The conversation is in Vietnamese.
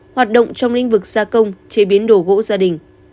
hoạt động trong lĩnh vực gia công chế biến đồ gỗ gia đình